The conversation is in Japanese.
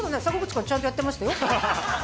坂口君はちゃんとやってましたよ。